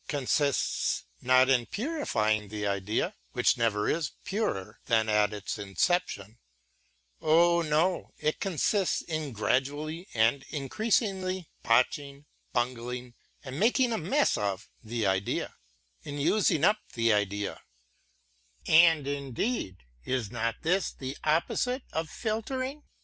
consists not in purifying the idea, which never is purer than at its inception; oh no, it consists in gradually and increasingly botching, bungling, and making a mess of, the idea, in using up the idea, inŌĆöindeed, is not this the opposite of filtering?